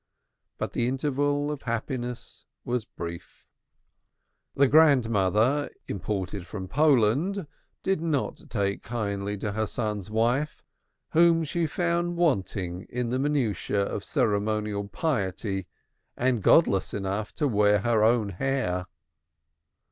But the interval of happiness was brief. The grandmother, imported from Poland, did not take kindly to her son's wife, whom she found wanting in the minutiae of ceremonial piety and godless enough to wear her own hair.